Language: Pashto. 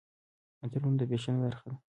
عطرونه د فیشن برخه ده.